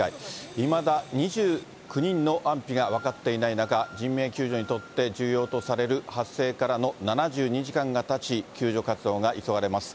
いまだ２９人の安否が分かっていない中、人命救助にとって重要とされる発生からの７２時間がたち、救助活動が急がれます。